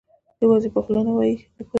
یوازې یې په خوله نه وایي، نه پوهېږم.